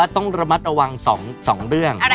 ต้องระวัง๒เรื่อง